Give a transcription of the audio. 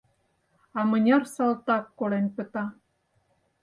А мыняр салтак колен пыта.